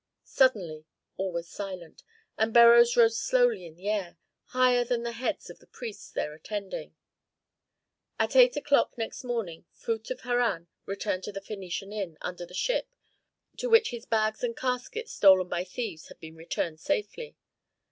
Suddenly all was silent, and Beroes rose slowly in the air, higher than the heads of the priests there attending. At eight o'clock next morning Phut of Harran returned to the Phœnician inn "Under the Ship" to which his bags and casket stolen by thieves had been returned safely.